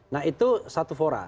nah itu satu fora